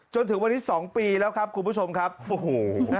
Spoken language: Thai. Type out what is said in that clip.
จนถึงวันนี้๒ปีแล้วครับคุณผู้ชมครับโอ้โห